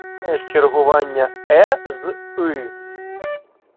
Чергування е з и